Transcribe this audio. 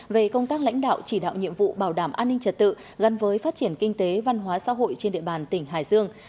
về công tác lãnh đạo chỉ đạo nhiệm vụ bảo đảm an ninh trật tự gắn với phát triển kinh tế văn hóa xã hội trên địa bàn tỉnh hải dương